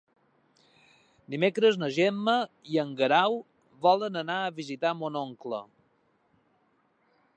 Dimecres na Gemma i en Guerau volen anar a visitar mon oncle.